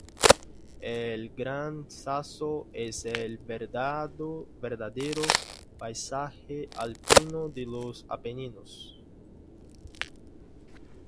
El Gran Sasso es el verdadero paisaje alpino de los Apeninos.